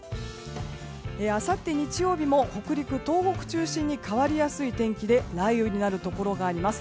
あさって日曜日も北陸、東北中心に変わりやすい天気で雷雨になるところがあります。